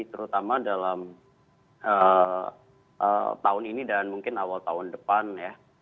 terutama dalam tahun ini dan mungkin awal tahun depan ya